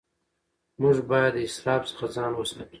موږ باید د اسراف څخه ځان وساتو